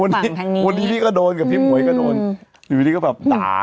ฝั่งทางนี้วันนี้พี่ก็โดนกับพี่หมวยก็โดนอยู่ที่นี่ก็แบบตา